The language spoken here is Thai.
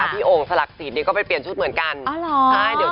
พี่โอ่งสลักศิษย์ก็ไปเปลี่ยนชุดเหมือนกัน